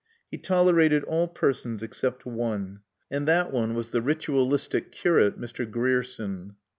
He tolerated all persons except one. And that one was the ritualistic curate, Mr. Grierson.